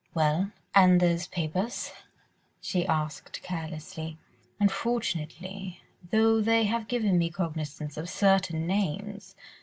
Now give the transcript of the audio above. "Well? And those papers?" she asked carelessly. "Unfortunately, though they have given me cognisance of certain names